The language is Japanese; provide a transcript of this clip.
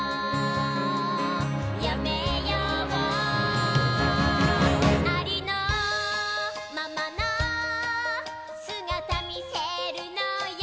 「やめよう」「ありのままの姿みせるのよ」